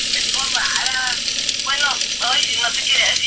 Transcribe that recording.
Posee servicios de hostelería por su proximidad con la Costa Brava.